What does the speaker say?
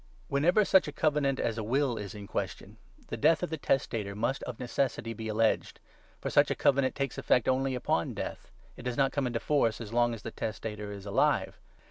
Whenever such a Covenant as a 16 will is in question, the death of the testator must of necessity be alleged. For such a Covenant takes effect only upon 17 death ; it does not come into force as long as the testator is alive.